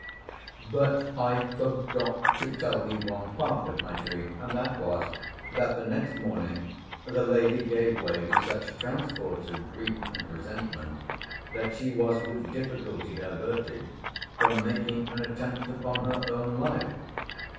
But I forgot to tell thee one part of my dream; and that was, that, the next morning, the lady gave way to such transports of grief and resentment, that she was with difficulty diverted from making an attempt upon her own life.